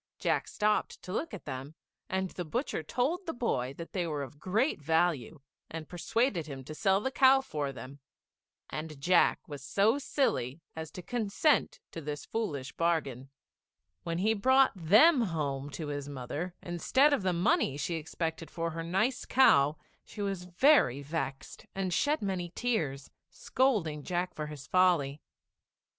Jack stopped to look at them, and the butcher told the boy that they were of great value, and persuaded him to sell the cow for them! And Jack was so silly as to consent to this foolish bargain. [Illustration: THE BEAN STALK GROWS OUT OF SIGHT IN A NIGHT.] When he brought them home to his mother instead of the money she expected for her nice cow, she was very vexed and shed many tears, scolding Jack for his folly.